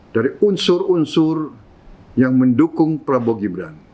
dari unsur unsur yang mendukung prabowo gibran